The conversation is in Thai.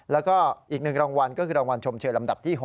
แล้วก็อีก๑รางวัลก็คือรางวัลชมเชยลำดับที่๖